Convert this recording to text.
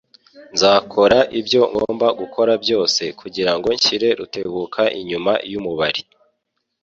Nzakora ibyo ngomba gukora byose kugirango nshyire Rutebuka inyuma yumubari.